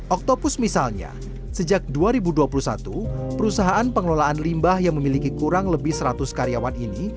oktopus misalnya sejak dua ribu dua puluh satu perusahaan pengelolaan limbah yang memiliki kurang lebih seratus karyawan ini